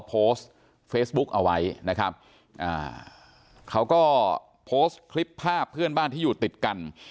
โพสต์เฟซบุ๊กเอาไว้นะครับอ่าเขาก็โพสต์คลิปภาพเพื่อนบ้านที่อยู่ติดกัน